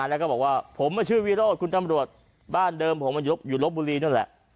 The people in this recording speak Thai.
แล้วก็บอกว่าผมชื่อวิโรธคุณตำรวจบ้านเดิมผมอยู่ลบบุรีนั่นแหละ